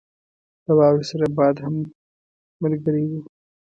له واورې سره باد هم ملګری وو.